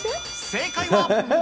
正解は？